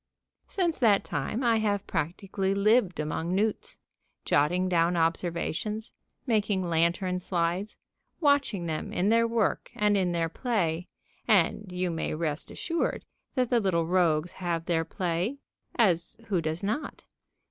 Since that time I have practically lived among newts, jotting down observations, making lantern slides, watching them in their work and in their play (and you may rest assured that the little rogues have their play as who does not?)